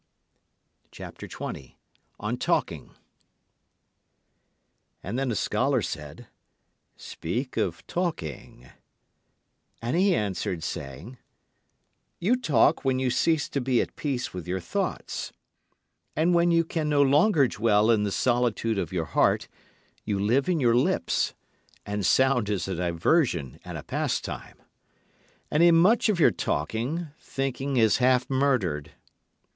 And then a scholar said, Speak of Talking. And he answered, saying: You talk when you cease to be at peace with your thoughts; And when you can no longer dwell in the solitude of your heart you live in your lips, and sound is a diversion and a pastime. And in much of your talking, thinking is half murdered.